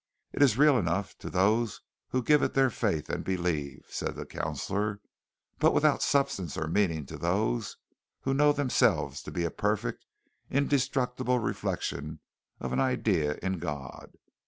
"It is real enough to those who give it their faith and believe," said the counselor, "but without substance or meaning to those who know themselves to be a perfect, indestructible reflection of an idea in God.